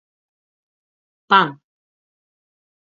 Pan!